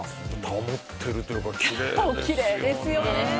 保っているというかおきれいですよね！